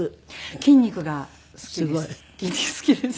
筋肉が好きです。